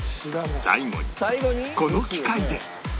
最後にこの機械で